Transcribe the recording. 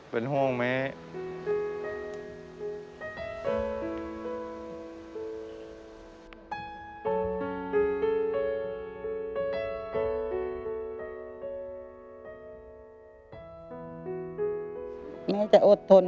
เป็นห้องแม่